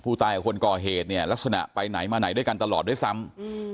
กับคนก่อเหตุเนี่ยลักษณะไปไหนมาไหนด้วยกันตลอดด้วยซ้ำอืม